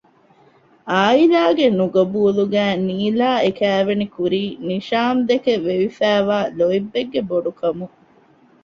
އާއިލާގެ ނުޤަބޫލުގައި ނީލާ އެ ކައިވެނި ކުރީ ނިޝާމްދެކެ ވެވިފައިވާ ލޯތްބެއްގެ ބޮޑުކަމުން